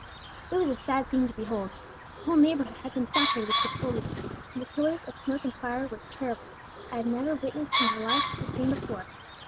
It was a sad scene to behold. The whole neighbourhood had been saturated with petroleum, and the pillars of smoke and fire were terrible: I have never witnessed in my life such a scene before.